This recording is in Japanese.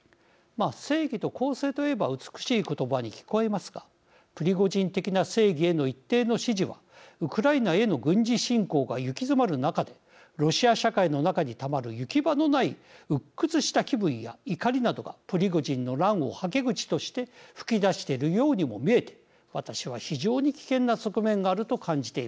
正義と公正と言えば美しい言葉に聞こえますがプリゴジン的な正義への一定の支持はウクライナへの軍事侵攻が行き詰まる中でロシア社会の中にたまる行き場のないうっ屈した気分や怒りなどがプリゴジンの乱をはけ口として噴き出しているようにも見えて私は非常に危険な側面があると感じています。